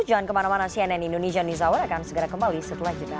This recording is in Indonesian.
jangan kemana mana cnn indonesia news hour akan segera kembali setelah jeda